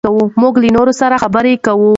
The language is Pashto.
موږ له نورو سره خبرې کوو.